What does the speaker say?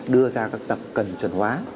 đưa ra các tập cần chuẩn hóa